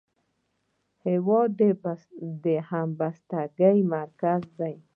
هېواد د همبستګۍ مرکز دی.